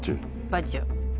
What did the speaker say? バチュ。